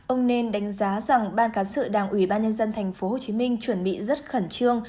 ông nên đánh giá rằng ban cán sự đảng ủy ban nhân dân thành phố hồ chí minh chuẩn bị rất khẩn trương